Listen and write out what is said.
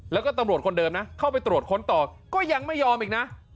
แล้วก็ตำรวจคนเดิมนะเข้าไปตรวจค้นต่อก็ยังไม่ยอมอีกนะ